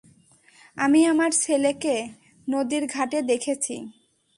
আমি আমার ছেলেকে নদীর ঘাটে দেখেছি।